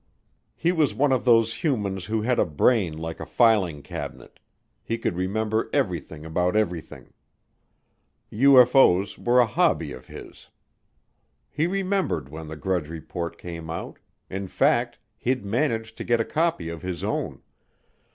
He was one of those humans who had a brain like a filing cabinet; he could remember everything about everything. UFO's were a hobby of his. He remembered when the Grudge Report came out; in fact, he'd managed to get a copy of his own.